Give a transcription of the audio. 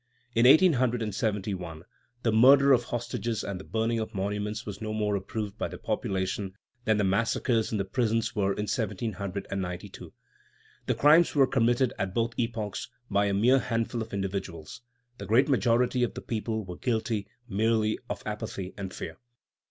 " In 1871, the murder of hostages and the burning of monuments was no more approved by the population than the massacres in the prisons were in 1792. The crimes were committed at both epochs by a mere handful of individuals. The great majority of the people were guilty merely of apathy and fear.